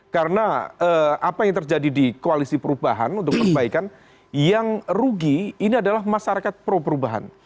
karena apa yang terjadi di koalisi perubahan untuk perbaikan yang rugi ini adalah masyarakat pro perubahan